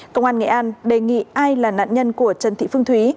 công an nghệ an đề nghị ai là nạn nhân của trần thị phương thúy